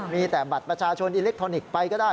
มีแต่บัตรประชาชนอิเล็กทรอนิกส์ไปก็ได้